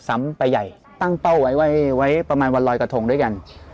ซ้ำไปใหญ่ตั้งเป้าไว้ไว้ประมาณวันรอยกระทงด้วยกัน